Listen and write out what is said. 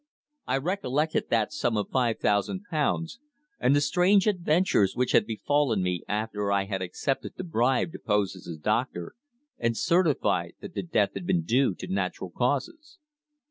I recollected that sum of five thousand pounds, and the strange adventures which had befallen me after I had accepted the bribe to pose as a doctor, and certify that death had been due to natural causes.